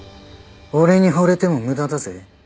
俺にほれても無駄だぜ。